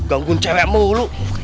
ganggun cewek mulu